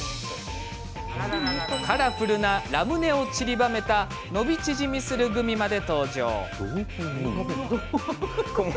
カラフルなラムネをちりばめた伸び縮みするグミまで登場。